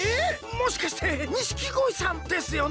もしかして錦鯉さんですよね？